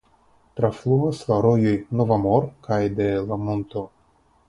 Trafluas la rojoj Navamor kaj de la Monto.